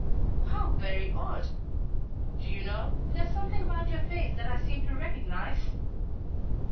"How very odd! Do you know, there's something about your face that I seem to recognise?"